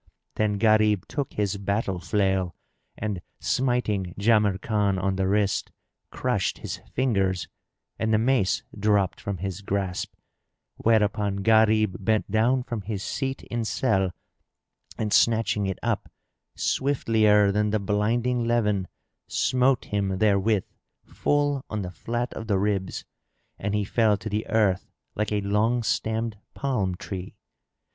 Then Gharib took his battle flail and smiting Jamrkan on the wrist, crushed his fingers and the mace dropped from his grasp; whereupon Gharib bent down from his seat in selle and snatching it up, swiftlier than the blinding leven, smote him therewith full on the flat of the ribs, and he fell to the earth like a long stemmed palm tree.